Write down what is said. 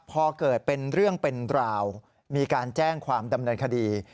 พอเกิดเป็นเรื่องเป็นราวมีการแจ้งความดำเนินคดี